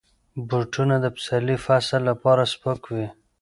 بوټونه د پسرلي فصل لپاره سپک وي.